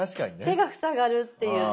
手が塞がるっていうね。